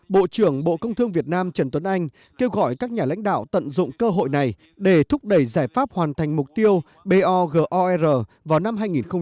bộ trưởng bộ công thương việt nam trần tuấn anh kêu gọi các nhà lãnh đạo tận dụng cơ hội này để thúc đẩy giải pháp hoàn thành mục tiêu bogor vào năm hai nghìn ba mươi